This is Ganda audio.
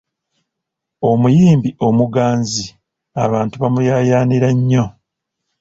Omuyimbi omuganzi abantu bamuyaayaanira nnyo.